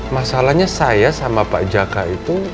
masalahnya saya sama pak jaka itu